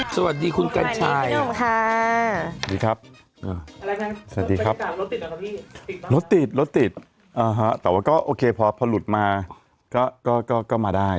สวัสดีคุณกันชายครับสวัสดีครับรถติดรถติดโอเคพอพอหลุดมาก็ก็ก็ก็มาได้